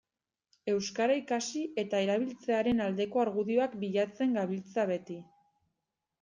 Euskara ikasi eta erabiltzearen aldeko argudioak bilatzen gabiltza beti.